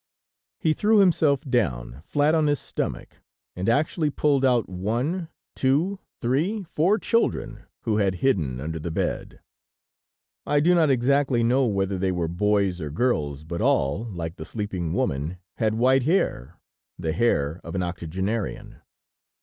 He threw himself down, flat on his stomach, and actually pulled out one, two, three, four children, who had hidden under the bed. I do not exactly know whether they were boys or girls, but all, like the sleeping woman, had white hair, the hair of an octogenarian.